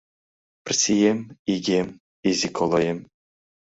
— Прсием, игем, изи колоем...